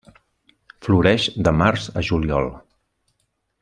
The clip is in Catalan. Floreix de març a juliol.